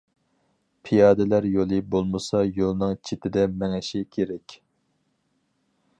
پىيادىلەر يولى بولمىسا يولنىڭ چېتىدە مېڭىشى كېرەك.